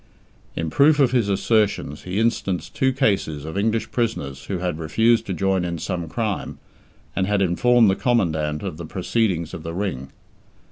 In proof of his assertions he instanced two cases of English prisoners who had refused to join in some crime, and had informed the Commandant of the proceedings of the Ring.